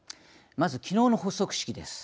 まず、きのうの発足式です。